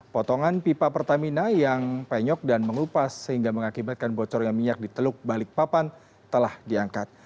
potongan pipa pertamina yang penyok dan mengupas sehingga mengakibatkan bocornya minyak di teluk balikpapan telah diangkat